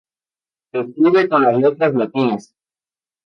Se escribe con las letras latinas.